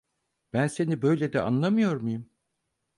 Ben seni böyle de anlamıyor muyum?